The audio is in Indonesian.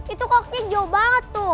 itu koknya jauh banget tuh